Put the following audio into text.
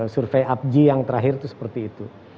survei apji yang terakhir itu seperti itu